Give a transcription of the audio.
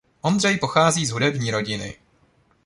Ondřej pochází z hudební rodiny.